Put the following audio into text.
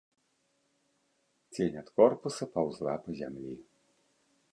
Цень ад корпуса паўзла па зямлі.